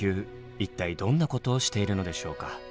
一体どんなことをしているのでしょうか。